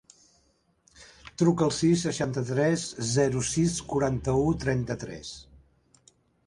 Truca al sis, seixanta-tres, zero, sis, quaranta-u, trenta-tres.